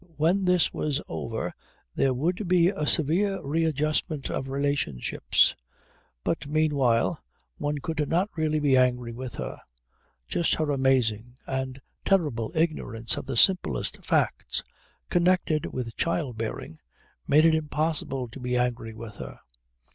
When this was over there would be a severe readjustment of relationships, but meanwhile one could not really be angry with her; just her amazing and terrible ignorance of the simplest facts connected with child bearing made it impossible to be angry with her.